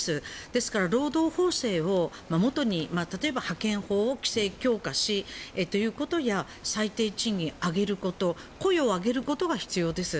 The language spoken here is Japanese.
ですから労働法制をもとに例えば派遣法を規制強化するということや最低賃金を上げること雇用を上げることが必要です。